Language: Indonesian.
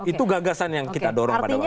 itu gagasan yang kita dorong pada waktu itu